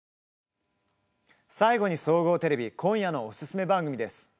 最後に、総合テレビ今夜のおすすめ番組です。